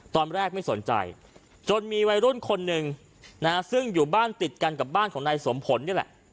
ตอนแรกไม่สนใจจนมีวัยรุ่นคนหนึ่งนะฮะซึ่งอยู่บ้านติดกันกับบ้านของนายสมผลนี่แหละ